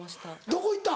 どこ行った？